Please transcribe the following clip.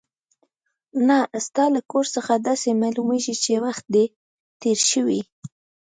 نه، ستا له کړو څخه داسې معلومېږي چې وخت دې تېر شوی.